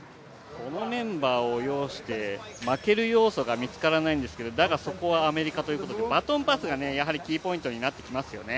このメンバーを擁して負ける要素が見つからないんですけれどもだが、そこはアメリカということでバトンパスがやはりキーポイントになってきますよね。